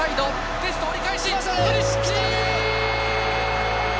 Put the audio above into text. デスト折り返しプリシッチ！